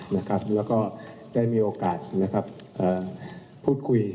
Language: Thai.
และได้มีโอกาสพูดคุย